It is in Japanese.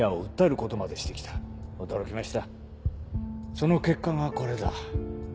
その結果がこれだ。